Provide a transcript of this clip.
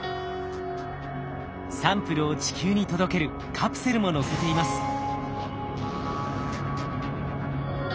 サンプルを地球に届けるカプセルも載せています。